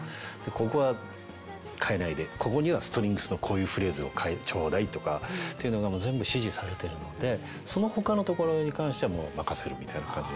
ここは変えないでここにはストリングスのこういうフレーズを頂戴とかっていうのが全部指示されてるのでそのほかのところに関してはもう任せるみたいな感じ。